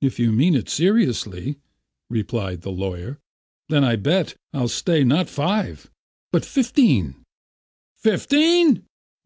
"If you mean it seriously," replied the lawyer, "then I bet I'll stay not five but fifteen." "Fifteen!